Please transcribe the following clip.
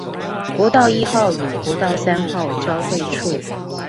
國道一號與國道三號交會處